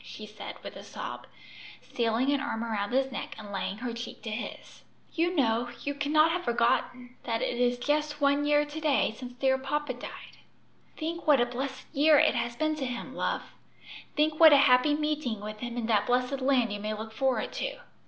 she said with a sob, stealing an arm around his neck and laying her cheek to his. "You know you cannot have forgotten that it is just one year to day since dear papa died." "Think what a blessed year it has been to him, love; think what a happy meeting with him in that blessed land you may look forward to.